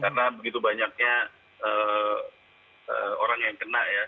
karena begitu banyaknya orang yang kena ya